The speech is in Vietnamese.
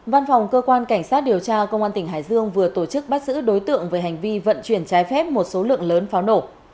văn phòng cơ quan cảnh sát điều tra công an tỉnh hải dương vừa tổ chức bắt giữ đối tượng về hành vi vận chuyển trái phép một số lượng lớn pháo nổ